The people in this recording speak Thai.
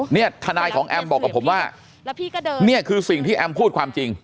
เนี่ยทนายของแอมบอกกับผมว่าแล้วพี่ก็เดินเนี่ยคือสิ่งที่แอมพูดความจริง